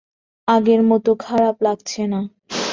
আগের মতো খারাপ লাগছে না।